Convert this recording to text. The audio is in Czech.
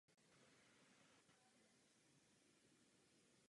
Nemůžeme se postavit na některou ze stran a ukazovat prstem.